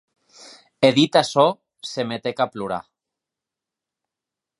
E dit açò, se metec a plorar.